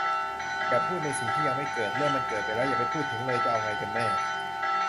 "อย่าพูดในสิ่งที่ยังไม่เกิด" "เรื่องมันเกิดไปแล้ว อย่าไปพูดถึงเลย" จะเอาไงกันแน่ ?